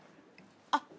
あっ。